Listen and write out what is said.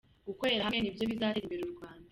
Gukorera hamwe ni byo bizateza imbere u Rwanda.